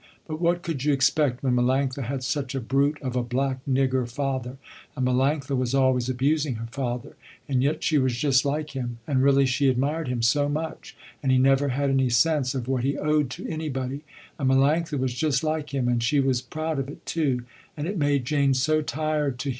But what could you expect when Melanctha had such a brute of a black nigger father, and Melanctha was always abusing her father and yet she was just like him, and really she admired him so much and he never had any sense of what he owed to anybody, and Melanctha was just like him and she was proud of it too, and it made Jane so tired to hear Melanctha talk all the time as if she wasn't.